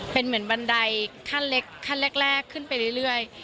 เป็นเหมือนบันไดขั้นเล็กขั้นแรกขึ้นไปเรื่อย